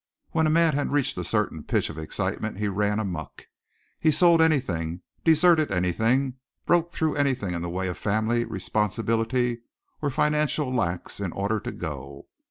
When a man had reached a certain pitch of excitement he ran amuck. He sold anything, deserted anything, broke through anything in the way of family, responsibility, or financial lacks in order to go.